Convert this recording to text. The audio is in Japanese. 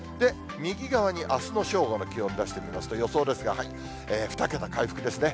右側にあすの正午の気温出してみますと、予想ですが、２桁回復ですね。